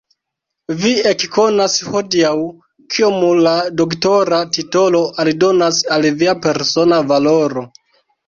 Vi ekkonas hodiaŭ, kiom la doktora titolo aldonas al via persona valoro!